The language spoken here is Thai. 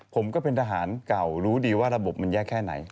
ผมก็เป็นทหารเก่ารู้ดีว่าระบบมันแย่แค่ไหน